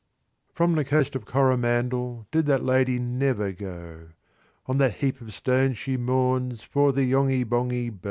X. From the Coast of Coromandel Did that Lady never go; On that heap of stones she mourns For the Yonghy Bonghy Bò.